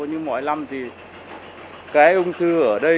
nhưng mỗi năm thì cái ung thư ở đây